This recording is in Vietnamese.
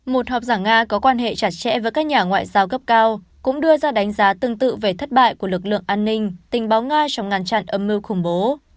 một học giả nga có quan hệ chặt chẽ với các nhà ngoại giao gấp cao cũng đưa ra đánh giá tương tự về thất bại của lực lượng an ninh tình báo nga trong ngăn chặn âm mưu khủng bố